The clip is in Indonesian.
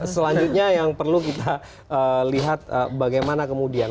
selanjutnya yang perlu kita lihat bagaimana kemudian